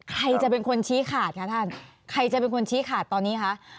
ใครจะเป็นคนชี้ขาดคะท่านใครจะเป็นคนชี้ขาดตอนนี้คะ